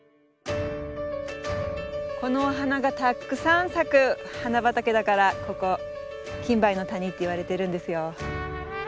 このお花がたくさん咲く花畑だからここキンバイの谷っていわれてるんですよ。